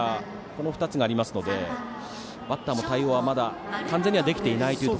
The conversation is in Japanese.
この２つがありますのでバッターも対応はまだ完全にはできていないという。